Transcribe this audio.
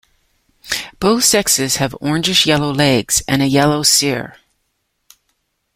Both sexes have orangish-yellow legs and a yellow cere.